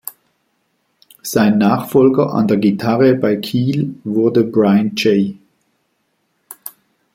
Sein Nachfolger an der Gitarre bei Keel wurde Brian Jay.